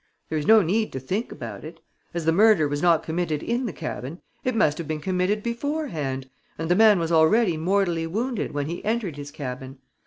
There is no need to think about it. As the murder was not committed in the cabin, it must have been committed beforehand and the man was already mortally wounded when he entered his cabin.